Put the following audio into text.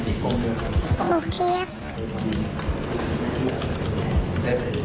เจ็บตรงไหนมันเจ็บ